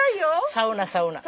サウナサウナ。